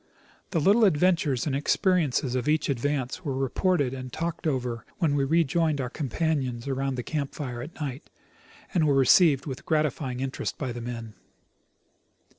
The little adventures and exijeriences of each advance were reported and talked over when we rejoined our companions around the camp fire at night, and were received with gratifying interest by the men.